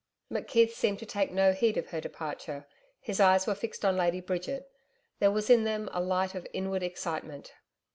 McKeith seemed to take no heed of her departure; his eyes were fixed on Lady Bridget; there was in them a light of inward excitement.